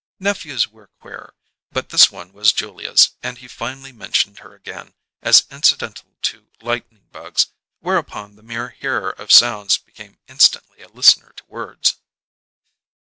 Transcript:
Nephews were queer, but this one was Julia's, and he finally mentioned her again, as incidental to lightning bugs; whereupon the mere hearer of sounds became instantly a listener to words.